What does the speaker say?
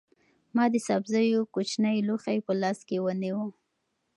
ما د سبزیو کوچنی لوښی په لاس کې ونیو.